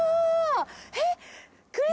えっ？